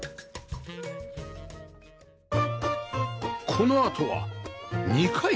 このあとは２階